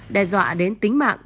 đe dọa đến tính mạng